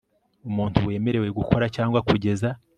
umuntu wemerewe gukora cyangwa kugeza